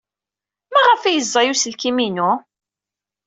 Maɣef ay ẓẓay uselkim-inu?